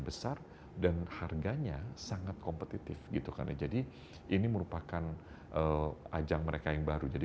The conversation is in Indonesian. besar dan harganya sangat kompetitif gitu karena jadi ini merupakan ajang mereka yang baru jadi